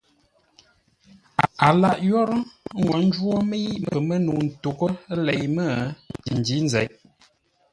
A lâʼ yórə́, ə́ ngwo ńjwó mə́i pəmə́nəu ntoghʼə́ lei mə́, ndǐ nzeʼ.